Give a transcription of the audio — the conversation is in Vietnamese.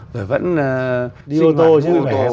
rồi vẫn sinh hoạt vui vẻ